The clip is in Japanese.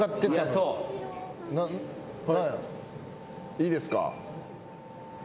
いいですか？